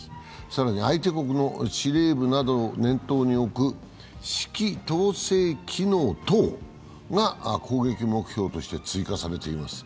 更に相手国の司令部などを念頭に置く指揮統制機能等が攻撃目標として追加されています。